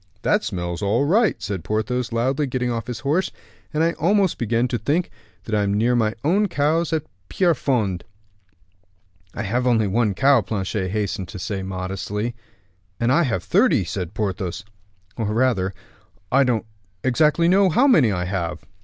"That smells all right," said Porthos, loudly, getting off his horse, "and I almost begin to think I am near my own cows at Pierrefonds." "I have only one cow," Planchet hastened to say modestly. "And I have thirty," said Porthos; "or rather, I don't exactly know how many I have."